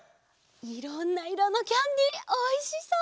いろんないろのキャンディーおいしそう！